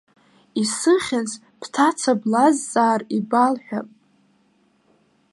Исыхьыз, бҭаца блазҵаар, ибалҳәап.